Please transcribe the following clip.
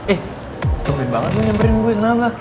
eh temen banget lu nyamperin gue kenapa